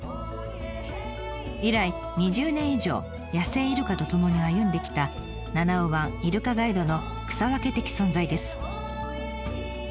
以来２０年以上野生イルカとともに歩んできた七尾湾イルカガイドの草分け的存在です。